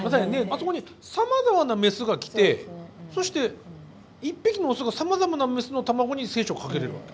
あそこにさまざまなメスが来てそして一匹のオスがさまざまなメスの卵に精子をかけれるわけ？